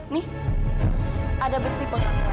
nih ada bukti pengantar